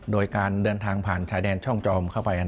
โดยการเดินทางผ่านชายแดนช่องจอมเข้าไป